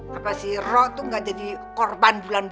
sama si rom tuh gak jadi korban bulan